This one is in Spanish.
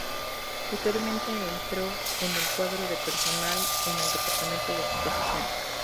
Posteriormente entró en el cuadro de personal en el departamento de exposiciones.